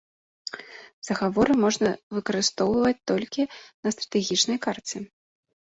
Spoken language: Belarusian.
Загаворы можна выкарыстоўваць толькі на стратэгічнай карце.